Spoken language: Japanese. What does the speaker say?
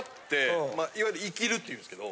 いわゆる「イキる」って言うんですけど。